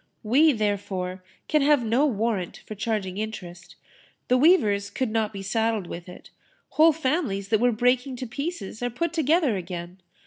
We, therefore, can have no warrant for charging interest. The weavers could not be saddled with it. Whole families that were breaking to pieces are put together again.